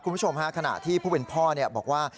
คุณผู้ชมฮะขณะที่ผู้เป็นพ่อบอกว่า